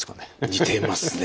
似てますね。